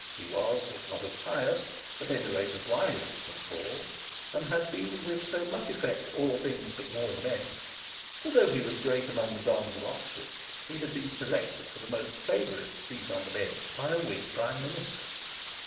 He was, if not as pious, at any rate as wise as St Paul, and had been with so much effect all things to all men, that though he was great among the dons of Oxford, he had been selected for the most favourite seat on the bench by a Whig Prime Minister.